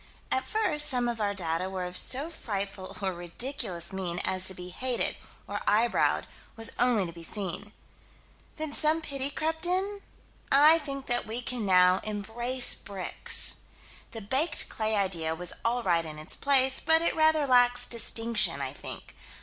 At first some of our data were of so frightful or ridiculous mien as to be hated, or eyebrowed, was only to be seen. Then some pity crept in? I think that we can now embrace bricks. The baked clay idea was all right in its place, but it rather lacks distinction, I think.